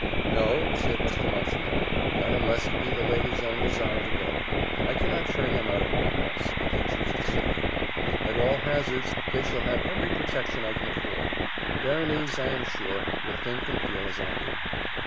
"No," said Mr. Montenero, "not unless it be the ladies' own desire to go: I cannot turn them out of my house, if they choose to stay; at all hazards they shall have every protection I can afford. Berenice, I am sure, will think and feel as I do."